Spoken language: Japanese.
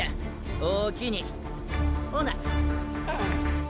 おおきにほな。